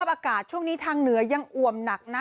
อากาศช่วงนี้ทางเหนือยังอวมหนักนะ